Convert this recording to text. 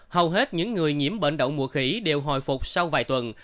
hầu hết những người nhiễm bệnh đậu mùa khỉ đều hồi phục sau vài tuần